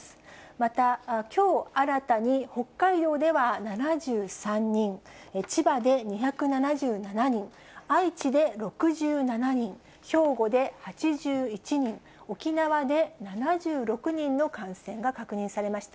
また、きょう新たに北海道では７３人、千葉で２７７人、愛知で６７人、兵庫で８１人、沖縄で７６人の感染が確認されました。